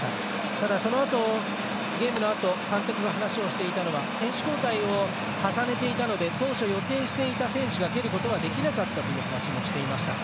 ただ、そのあとゲームのあと監督が話をしていたのは選手交代を重ねていたので当初、予定していた選手が蹴ることはできなかったという話もしていました。